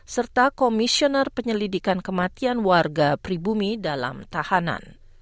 serta komisioner penyelidikan kematian warga pribumi dalam tahanan